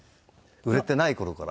売れてない頃から。